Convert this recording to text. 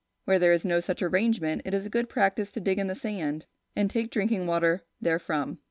Where there is no such arrangement, it is a good practice to dig in the sand, and take drinking water therefrom.